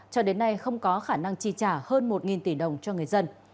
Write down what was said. cho đến nay không có khả năng chi trả hơn một tỷ đồng cho người dân